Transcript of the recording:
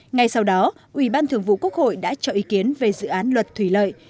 ngay sau đó ủy ban thường vụ quốc hội đã cho ý kiến về dự án luật thủy lợi